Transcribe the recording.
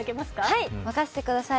はい、任せてください。